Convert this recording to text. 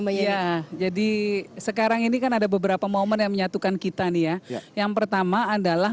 iya jadi sekarang ini kan ada beberapa momen yang menyatukan kita nih ya yang pertama adalah